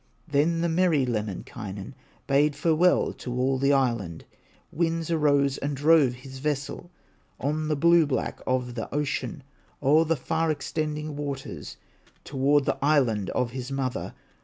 Then the merry Lemminkainen Bade farewell to all the island; Winds arose and drove his vessel On the blue back of the ocean, O'er the far extending waters, Toward the island of his mother.